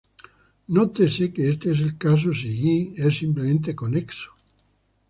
Nótese que este es el caso si "Y" es simplemente conexo.